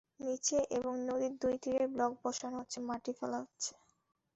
নিচে এবং নদীর দুই তীরে ব্লক বসানো হচ্ছে, মাটি ফেলা হচ্ছে।